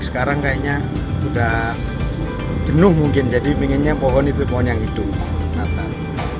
sekarang kayaknya udah jenuh mungkin jadi inginnya pohon itu pohon yang hidup natal